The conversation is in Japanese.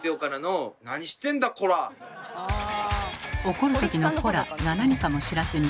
怒るときの「コラ！」が何かも知らずに。